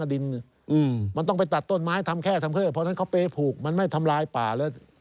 โดคเตผูกมันไม่ทำร้ายป่าและ